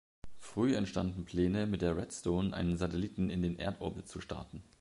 Früh entstanden Pläne, mit der Redstone einen Satelliten in den Erdorbit zu starten.